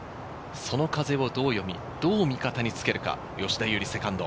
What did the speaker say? その風をどう読み、どう味方につけるか、吉田優利、セカンド。